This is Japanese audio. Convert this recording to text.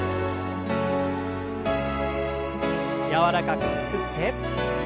柔らかくゆすって。